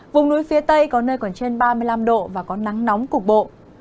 vùng núi phía tây có nơi còn trên ba mươi năm độ và có nắng nóng cục bộ